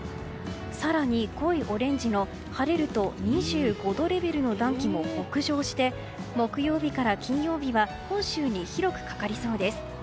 更に、濃いオレンジの晴れると２５度レベルの暖気も北上して木曜日から金曜日は本州に広くかかりそうです。